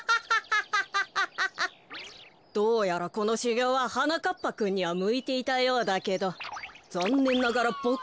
どうやらこのしゅぎょうははなかっぱくんにはむいていたようだけどざんねんながらボクむきではなかったようだよ。